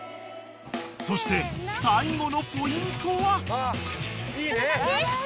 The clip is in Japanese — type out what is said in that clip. ［そして最後のポイントは］